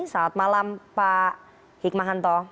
selamat malam pak hikmahanto